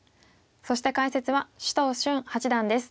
そして解説は首藤瞬八段です。